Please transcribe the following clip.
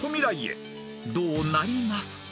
［どうなりますか］